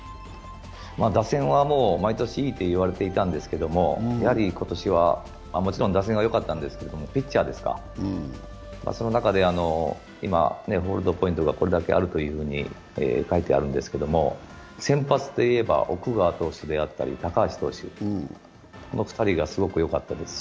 打線は毎年いいと言われていたんですけども、今年は、もちろん打線はよかったんですけど、ピッチャーですか、その中でホールドポイントがこれだけあると書いてあるんですけど先発って言えば、奥川投手であったり高橋投手、この２人がすごくよかったですし。